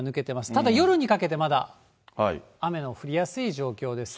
ただ、夜にかけてまだ雨の降りやすい状況ですね。